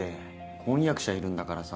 婚約者いるんだからさ。